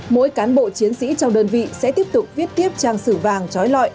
mỗi cán bộ chiến sĩ trong đơn vị sẽ tiếp tục viết tiếp trang sử vàng trói lọi